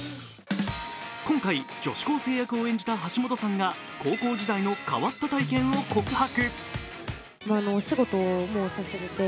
今回、女子高生役を演じた橋本さんが高校時代の変わった体験を告白。